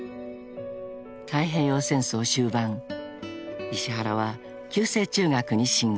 ［太平洋戦争終盤石原は旧制中学に進学］